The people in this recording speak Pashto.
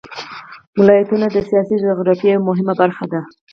ولایتونه د سیاسي جغرافیه یوه مهمه برخه ده.